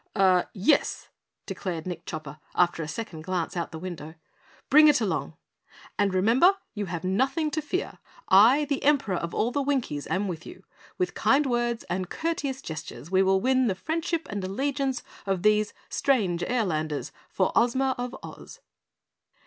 "Er YES!" declared Nick Chopper after a second glance out of the window. "Bring it along! And remember you have nothing to fear! I, the Emperor of all the Winkies, am with you. With kind words and courteous gestures we will win the friendship and allegiance of these strange airlanders for Ozma of Oz."